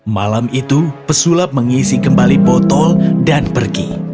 malam itu pesulap mengisi kembali botol dan pergi